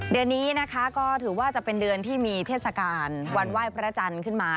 เดือนนี้นะคะก็ถือว่าจะเป็นเดือนที่มีเทศกาลวันไหว้พระจันทร์ขึ้นมา